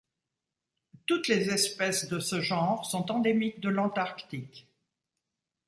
Toutes les espèces de ce genre sont endémiques de l'Antarctique.